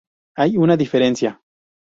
Hay una diferencia.